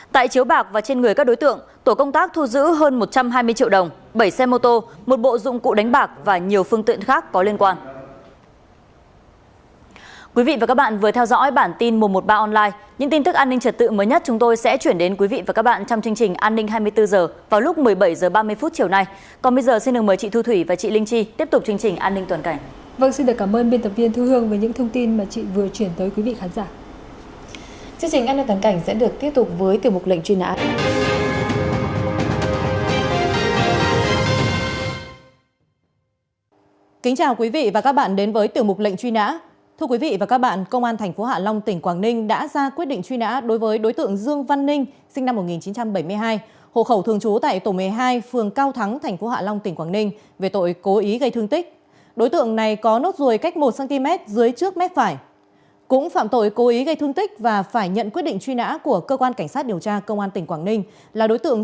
tại chiếu bạc và trên người các đối tượng tổ công tác thu giữ hơn một trăm hai mươi triệu đồng bảy xe mô tô một bộ dụng cụ đánh bạc và nhiều phương tiện khác có liên quan